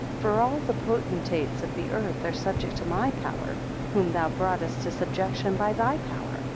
5 For all the potentates of the earth are subject to my power, whom thou broughtest to subjection by thy power.